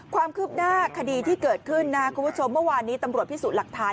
ความคืบหน้าคดีที่เกิดขึ้นนะคุณผู้ชมเมื่อวานนี้ตำรวจพิสูจน์หลักฐาน